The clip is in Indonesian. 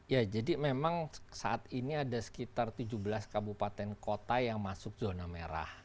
ya jadi memang saat ini ada sekitar tujuh belas kabupaten kota yang masuk zona merah